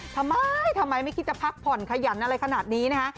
ทำไมทำไมไม่คิดจะพักผ่อนขยันอะไรขนาดนี้นะคะ